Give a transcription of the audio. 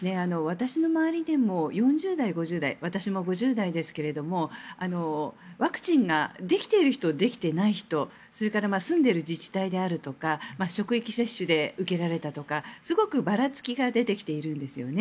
私の周りでも４０代、５０代私も５０代ですがワクチンができている人できていない人それから住んでいる自治体であるとか職域接種で受けられたとかすごくばらつきが出てきているんですよね。